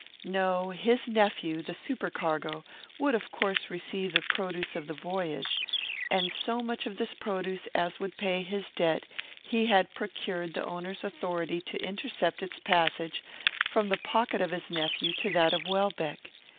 No; his nephew, the supercargo, would of course receive the produce of the voyage, and so much of this produce as would pay his debt he had procured the owner's authority to intercept its passage from the pocket of his nephew to that of Welbeck.